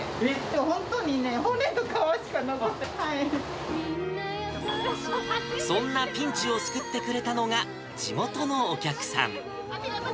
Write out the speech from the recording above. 本当にね、そんなピンチを救ってくれたのが、地元のお客さん。